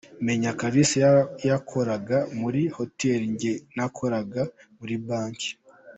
Menya Clarisse yakoraga muri hoteli, njye nakoraga muri banki.